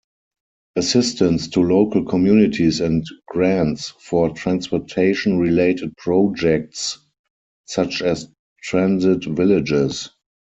Assistance to local communities and grants for transportation-related projects, such as transit villages.